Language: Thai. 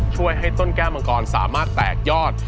ช่วยให้ต้นแก้วมังกรสามารถแตกยอด